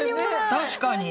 確かに。